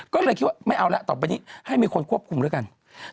ก็เลยคิดว่าไม่เอาแล้วต่อไปนี้ให้มีคนควบคุมด้วยกัน